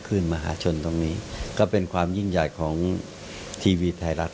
มหาชนตรงนี้ก็เป็นความยิ่งใหญ่ของทีวีไทยรัฐ